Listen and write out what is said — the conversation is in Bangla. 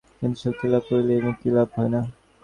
কিন্তু শক্তি লাভ করিলেই মুক্তি লাভ হয় না।